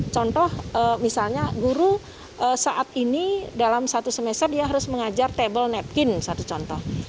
contoh misalnya guru saat ini dalam satu semester dia harus mengajar table nepkin satu contoh